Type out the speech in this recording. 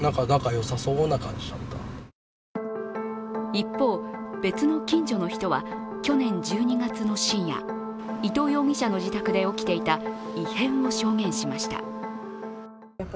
一方、別の近所の人は去年１２月の深夜、伊藤容疑者の自宅で起きていた異変を証言しました。